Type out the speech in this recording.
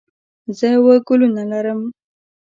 زه اووه ګلونه لرم.